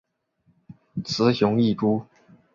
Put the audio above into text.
雄雌异株。